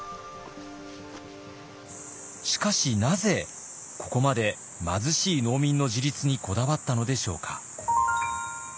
しかしなぜここまで貧しい農民の自立にこだわったのでしょうか。